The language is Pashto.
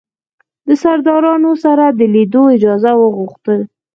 د سردارانو سره د لیدلو اجازه وغوښتل.